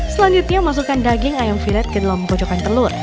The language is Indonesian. selanjutnya masukkan daging ayam violet ke dalam pojokan telur